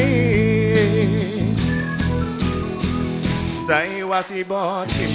สิบสี่ห้างหรือเศร้าสี่ห้างสี่จับมือกันอย่างว่าสันวา